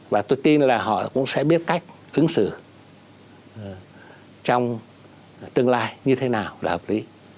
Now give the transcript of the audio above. và tôi tin là họ cũng sẽ biết cách ứng xử trong tương lai như thế nào đã hợp lý